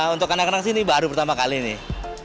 untuk anak anak sini baru pertama kali nih